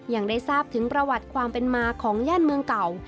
ยังได้ทราบถึงประวัติความเป็นมาของย่านเมืองเก่า